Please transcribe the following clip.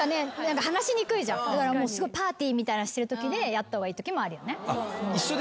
すごいパーティーみたいなのしてるときでやった方がいいときもあるよね。